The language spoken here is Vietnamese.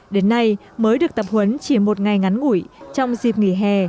đến nay mới được tập huấn chỉ một ngày ngắn ngủi trong dịp nghỉ hè